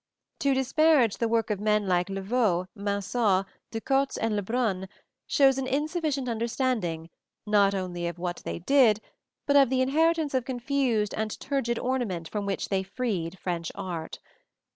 To disparage the work of men like Levau, Mansart, de Cotte and Lebrun, shows an insufficient understanding, not only of what they did, but of the inheritance of confused and turgid ornament from which they freed French art.